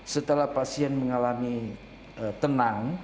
setelah pasien mengalami tenang